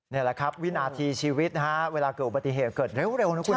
นี่แหละครับวินาทีชีวิตนะฮะเวลาเกิดอุบัติเหตุเกิดเร็วนะคุณ